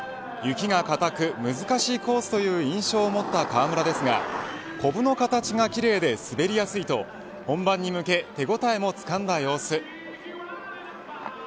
雪が硬く難しいコースという印象を持った川村ですがこぶの形が奇麗で滑りやすいと本番に向けて手応えもつかんだ様子。